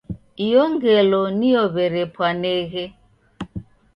Iyo ngelo niyo w'erepwaneghe.